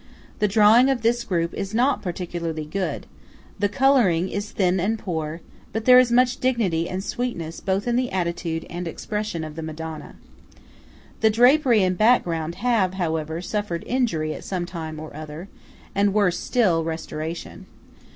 The drawing of this group is not particularly good; the colouring is thin and poor; but there is much dignity and sweetness both in the attitude and expression of the Madonna. The drapery and background have, however, suffered injury at some time or other; and, worse still, restoration.